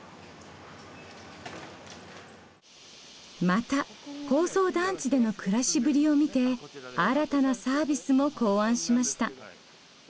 また高層団地での暮らしぶりを見て新たなサービスも考案しました。